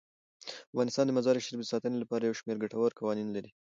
افغانستان د مزارشریف د ساتنې لپاره یو شمیر ګټور قوانین لري.